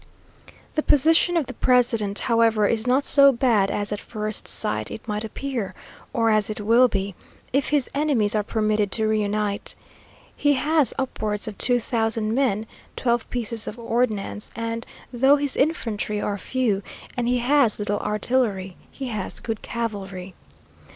The position of the president, however, is not so bad as at first sight it might appear, or as it will be, if his enemies are permitted to reunite. He has upwards of two thousand men, twelve pieces of ordnance, and, though his infantry are few, and he has little artillery, he has good cavalry.